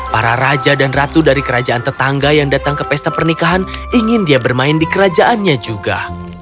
para raja dan ratu dari kerajaan tetangga yang datang ke pesta pernikahan ingin dia bermain di kerajaannya juga